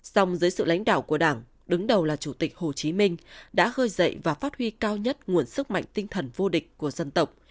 song dưới sự lãnh đạo của đảng đứng đầu là chủ tịch hồ chí minh đã khơi dậy và phát huy cao nhất nguồn sức mạnh tinh thần vô địch của dân tộc